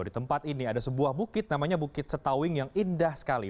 di tempat ini ada sebuah bukit namanya bukit setawing yang indah sekali